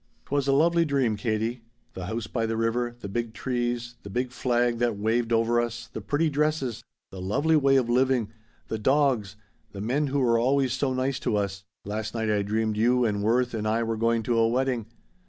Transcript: "'Twas a lovely dream, Katie. The house by the river the big trees the big flag that waved over us the pretty dresses the lovely way of living the dogs the men who were always so nice to us Last night I dreamed you and Worth and I were going to a wedding.